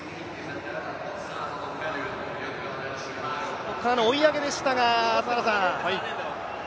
ここからの追い上げでしたが、朝原さん。